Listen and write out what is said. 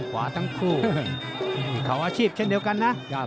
เขาอาชีพเช่นเดียวกันนะ